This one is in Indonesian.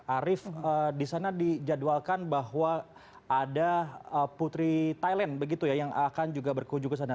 arief disana dijadwalkan bahwa ada putri thailand yang akan juga berkunjung ke sana